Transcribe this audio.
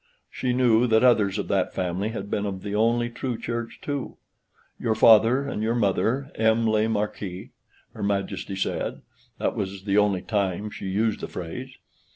She knew that others of that family had been of the only true church too: "Your father and your mother, M. le Marquis," her Majesty said (that was the only time she used the phrase).